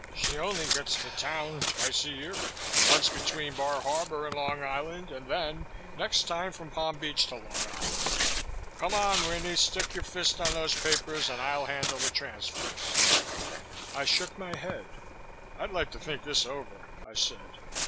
She only gets to town twice a year, once between Bar Harbor and Long Island, and then next time from Palm Beach to Long Island. Come on, Winnie, stick your fist on these papers and I'll handle the transfers." I shook my head. "I'd like to think this over," I said.